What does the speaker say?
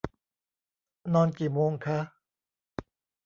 นอนกี่โมงคะ